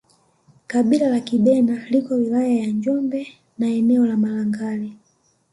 Kabila la Kibena liko wilaya ya Njombe na eneo la Malangali